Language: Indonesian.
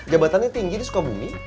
jabatannya tinggi dia suka bumi